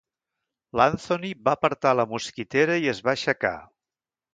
L'Anthony va apartar la mosquitera i es va aixecar.